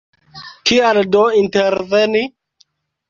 Kial do interveni?